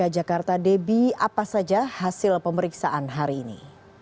jakarta debbie apa saja hasil pemeriksaan hari ini